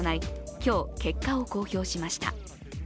今日、結果を公表しました。